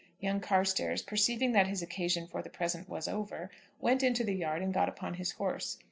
Young Carstairs, perceiving that his occasion for the present was over, went into the yard and got upon his horse.